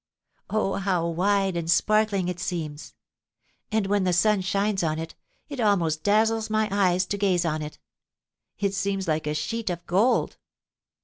Oh, how wide and sparkling it seems; and, when the sun shines on it, it almost dazzles my eyes to gaze on it! It seems like a sheet of gold.